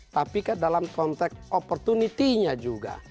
tapi kan dalam konteks opportunity nya juga